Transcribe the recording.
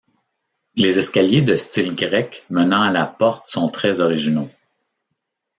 Les escaliers de style grec menant à la porte sont très originaux.